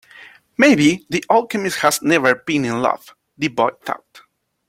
Maybe the alchemist has never been in love, the boy thought.